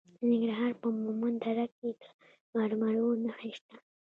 د ننګرهار په مومند دره کې د مرمرو نښې شته.